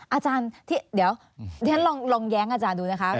อาจารย์เดี๋ยวฉันลองแย้งอาจารย์ดูนะคะ